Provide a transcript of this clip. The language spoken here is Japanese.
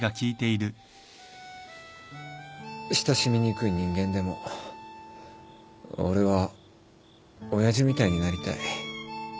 親しみにくい人間でも俺は親父みたいになりたい。